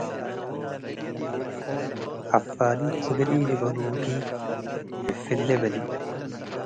ዐፋሊት፣ እግል ኢሊበሉኪ “ዕፍሌ” በሊ።